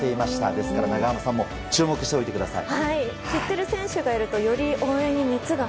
ですから、長濱さんも注目してください。